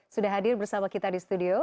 sudah hadir bersama kita di studio